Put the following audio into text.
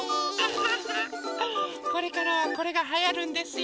これからはこれがはやるんですよ。